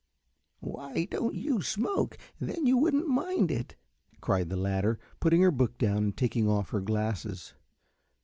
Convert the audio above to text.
"Why don't you smoke, then you wouldn't mind it," cried the latter, putting her book down and taking off her glasses.